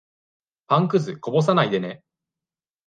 パンくず、こぼさないでね。